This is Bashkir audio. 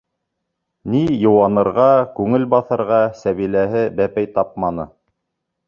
Ни йыуанырға, күңел баҫырға Сәбиләһе бәпәй тапманы.